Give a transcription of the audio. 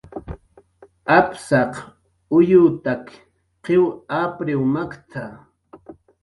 "Apsaq uyutak qiw apriw makt""a"